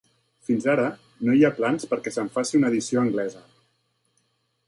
Fins ara, no hi ha plans perquè se'n faci una edició anglesa.